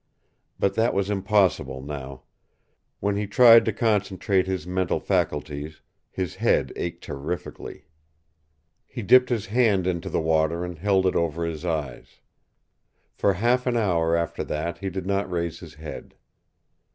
But that was impossible now. When he tried to concentrate his mental faculties, his head ached terrifically. He dipped his hand into the water and held it over his eyes. For half an hour after that he did not raise his head.